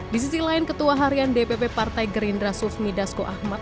di sisi lain ketua harian dpp partai gerindra sufmi dasko ahmad